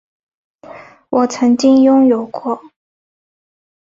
我曾经拥有过